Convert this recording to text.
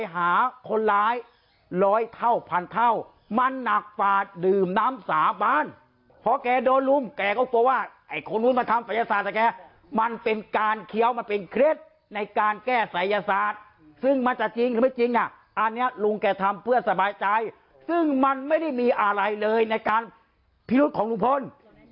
หรือไม่จริงหรือไม่จริงอันนี้ลุงแกทำเพื่อสะบายใจซึ่งมันไม่ได้มีอะไรเลยในการพิรุธของลุงพล